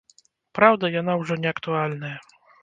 Праўда, яна ўжо не актуальная.